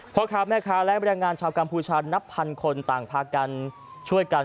พ่อค้าแม่ค้าและแรงงานชาวกัมพูชานับพันคนต่างพากันช่วยกัน